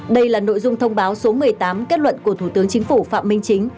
đây là nội dung thông báo số một mươi tám kết luận của thủ tướng chính phủ phạm minh chính